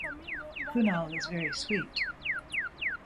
Kunal is very sweet.